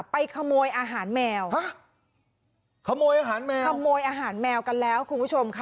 ไปขโมยอาหารแมวฮะขโมยอาหารแมวขโมยอาหารแมวกันแล้วคุณผู้ชมค่ะ